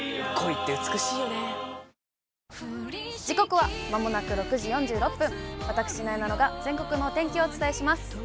時刻はまもなく６時４６分、私、なえなのが全国のお天気をお伝えします。